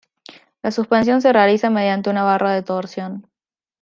La suspensión se realiza mediante una barra de torsión.